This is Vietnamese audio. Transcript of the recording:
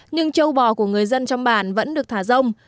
nhưng châu bò của người dân trong bản vẫn được thả rông